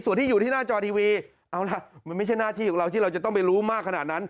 ส่วนที่อยู่ที่หน้าจอทีวีเอาล่ะมันไม่ใช่หน้าที่ของเราที่เราจะต้องไปรู้มากขนาดนั้น